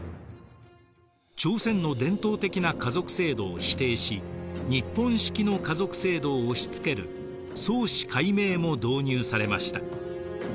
朝鮮の伝統的な家族制度を否定し日本式の家族制度を押しつける創氏改名も導入されました。